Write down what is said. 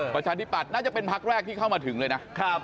ประชาธิปัตย์น่าจะเป็นพักแรกที่เข้ามาถึงเลยนะ